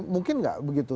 mungkin nggak begitu